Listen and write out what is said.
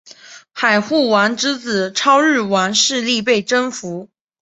海护王之子超日王势力被征服。